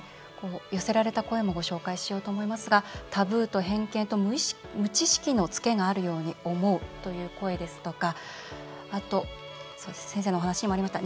寄せられた声もご紹介しようと思いますが「タブーと偏見と無知識のツケがあるように思う」という声ですとか、あと先生のお話にもありました